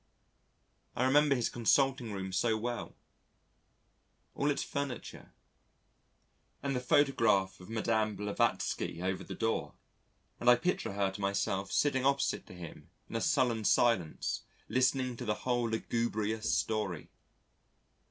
I remember his consulting room so well all its furniture and the photograph of Madam Blavatsky over the door, and I picture her to myself sitting opposite to him in a sullen silence listening to the whole lugubrious story.